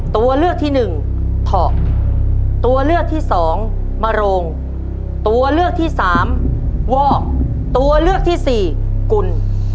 ตัวเลือกที่หนึ่งเถาะตัวเลือกที่สองมโรงตัวเลือกที่สามวอกตัวเลือกที่สี่กุล